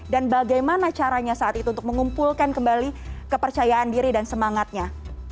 dan bagaimana caranya saat itu untuk mengumpulkan kembali kepercayaan diri dan semangatnya